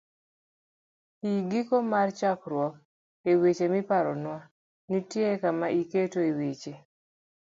ii- Giko mar chokruok E weche miparonwa, nitie kama iketoe weche